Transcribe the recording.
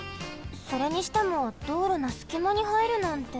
それにしてもどうろのすきまにはえるなんて。